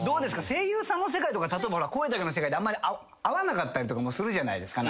声優さんの世界とか例えば声だけの世界であんまり会わなかったりとかもするじゃないですか。